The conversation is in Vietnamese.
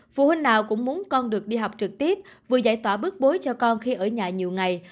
phụ huynh nào cũng muốn con được đi học trực tiếp vừa giải tỏa bước bối cho con khi ở nhà nhiều ngày